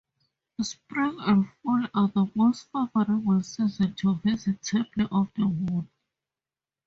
Spring and fall are the most favorable seasons to visit Temple of the Moon.